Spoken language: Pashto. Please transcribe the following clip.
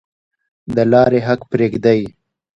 د لارې حق پریږدئ؟